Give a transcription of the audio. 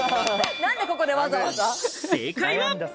正解は。